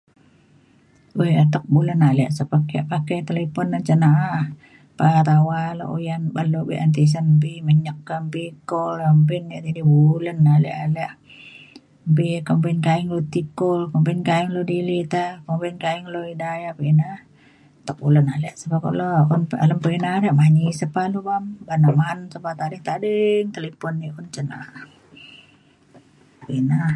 buk ya atek bulen ale sep ake pakai telefon cin na’a. petawa le uyan ban lu be’un tisen kembi menyek kembi call kembi [unintelligible] bulen ale ale kumbin ta’en lu ti call kumbin ta’en lu delete ta kumbin ta’en lu ida ya pekina. atek bulen ale [unintelligible] kulo un pa alem pekina na manyi sepa lu bam ban ma’an [unintelligible] tading tading talipon ni cen na’a pekina.